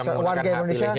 tidak kehilangan hak pilihnya